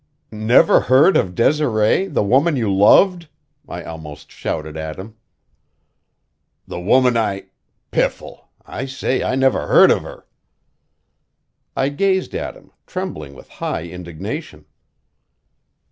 "Never heard of Desiree, the woman you loved?" I almost shouted at him. "The woman I piffle! I say I never heard of her." I gazed at him, trembling with high indignation.